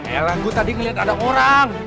eh lah gue tadi ngeliat ada orang